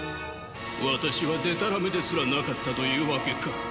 私はでたらめですらなかったというわけか。